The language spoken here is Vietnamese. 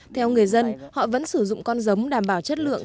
theo người dân họ vẫn sử dụng con giống đảm bảo chất lượng